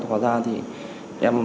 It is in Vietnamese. có ra thì em